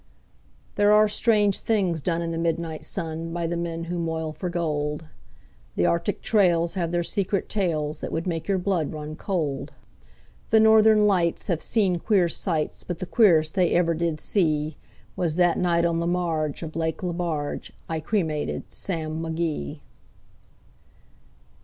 There are strange things done in the midnight sun By the men who moil for gold; The Arctic trails have their secret tales That would make your blood run cold; The Northern Lights have seen queer sights, But the queerest they ever did see Was that night on the marge of Lake Lebarge I cremated Sam McGee.